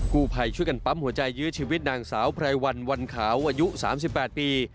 กู้ภัยช่วยกันปั๊มหัวใจยื้อชีวิตนางสาวไพรวันวันขาวอายุ๓๘ปี